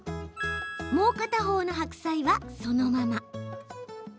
もう片方の白菜は、そのまま。